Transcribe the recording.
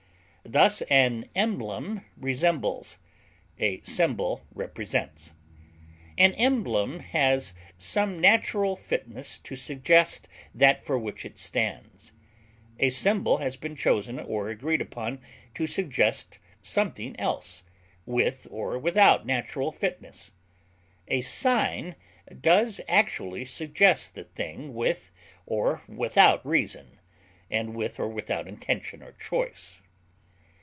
Thus an emblem resembles, a symbol represents. An emblem has some natural fitness to suggest that for which it stands; a symbol has been chosen or agreed upon to suggest something else, with or without natural fitness; a sign does actually suggest the thing with or without reason, and with or without intention or choice.